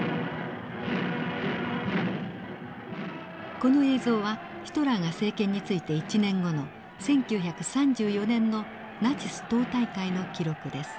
この映像はヒトラーが政権に就いて１年後の１９３４年のナチス党大会の記録です。